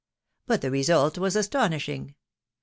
. but the result was astonishing